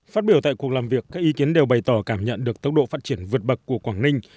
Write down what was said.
phát biểu tại cuộc làm việc các ý kiến đều bày tỏ cảm nhận được tốc độ phát triển vượt bậc của quảng ninh